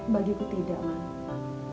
bagi ku tidak man